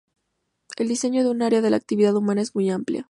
El diseño es un área de la actividad humana muy amplia.